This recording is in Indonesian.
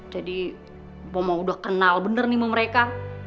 jadi mpok mau udah kenal bener nih sama mereka